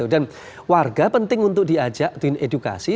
dan warga penting untuk diajak ke edukasi